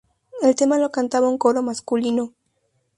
El tema lo cantaba un coro masculino.